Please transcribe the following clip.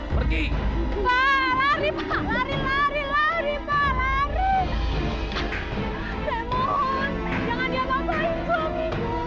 saya mohon berhati hati